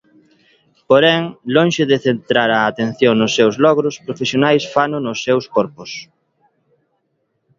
Porén, lonxe de centrar a atención nos seus logros profesionais fano nos seus corpos.